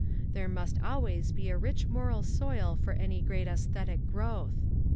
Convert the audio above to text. There must always be a rich moral soil for any great aesthetic growth.